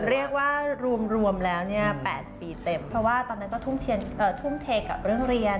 เรียกว่ารวมแล้ว๘ปีเต็มเพราะว่าตอนนั้นก็ทุ่มเทกับเรื่องเรียน